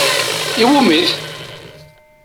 Iwwumi-t?